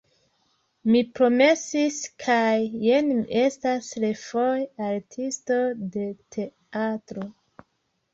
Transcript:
Mi promesis kaj jen mi estas refoje artisto de teatro.